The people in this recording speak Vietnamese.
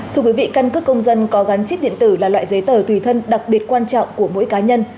thưa quý vị căn cước công dân có gắn chip điện tử là loại giấy tờ tùy thân đặc biệt quan trọng của mỗi cá nhân